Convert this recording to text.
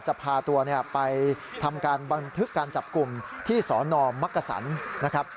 จะพาตัวไปทำการบันทึกการจับกลุ่มที่สนมักกษันนะครับ